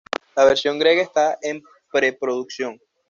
La versión griega está en preproducción.